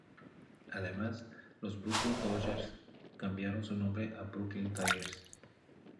Además, los Brooklyn Dodgers cambiaron su nombre a Brooklyn Tigers.